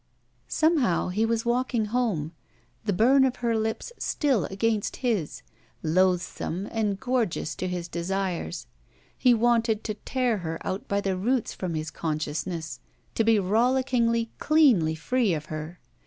Somehow he was walking home, the bum of her Eps still against his, loathsome and gorgeous to his desires. He wanted to tear her out by the roots from his consciousness. To be rolliddngly, cleanly free of her.